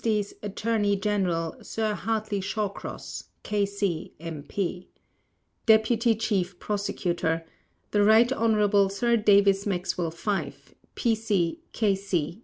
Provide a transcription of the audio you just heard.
Attorney General, Sir Hartley Shawcross, K.C., M.P. DEPUTY CHIEF PROSECUTOR: The Rt. Hon. Sir David Maxwell Fyfe, P.C.